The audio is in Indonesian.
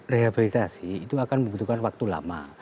rehabilitasi itu akan membutuhkan waktu lama